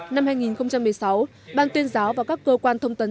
năm hai nghìn một mươi sáu ban tuyên giáo và các cơ quan thông tấn